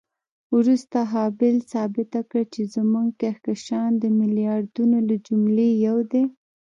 وروسته هابل ثابته کړه چې زموږ کهکشان د میلیاردونو له جملې یو دی.